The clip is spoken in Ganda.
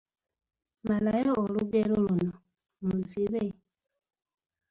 Malayo olugero luno: Muzibe …